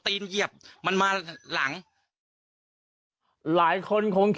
ที่ถ่ายคลิปช่วยไก่ก่อน